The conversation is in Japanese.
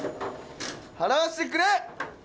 払わせてくれ！